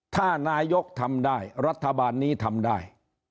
ถ้านายกทำได้รัฐบาลนี้ทำได้